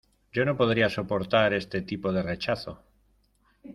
¡ Yo no podría soportar ese tipo de rechazo!